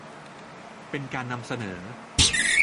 เป็นการนำเสนอ